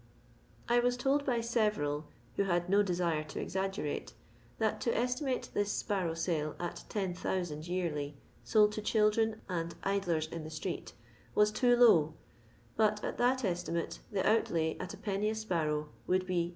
I was told by seretal^ wke had no desire to exaggerate, that to eetiBate this sparrow sale at 10,000 yeariy, sold to cUUirsn and idlers in the strsets, was too low, bnt at that estimate, the ouUay, at Id, a sparrow, woold be 850